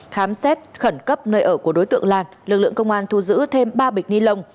khám xét khẩn cấp nơi ở của đối tượng lan lực lượng công an thu giữ thêm ba bịch ni lông